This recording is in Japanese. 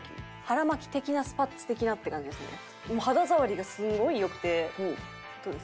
腹巻き的なスパッツ的なって感じですね。